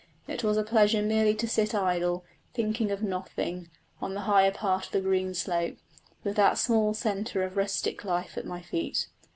It was a pleasure merely to sit idle, thinking of nothing, on the higher part of the green slope, with that small centre of rustic life at my feet.